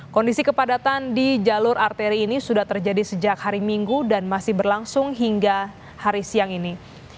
kondisi kepadatan di jalur arteri ini sudah terjadi sejak hari minggu dan masih berlangsung hingga hari siang ini